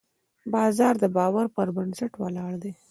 بازار د باور پر بنسټ ولاړ دی.